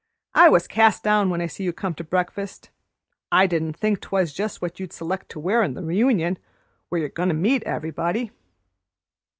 "I was cast down when I see you come to breakfast. I didn't think 'twas just what you'd select to wear to the reunion, where you're goin' to meet everybody."